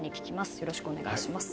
よろしくお願いします。